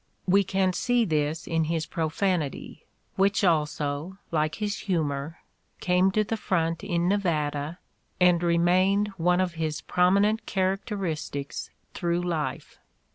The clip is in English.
We can see this in his profanity, which also, like his humor, came to the front in Nevada and remained one of his prominent characteristics through life.